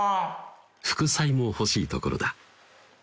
副菜も欲しいところだ